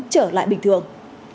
trở lại bình thường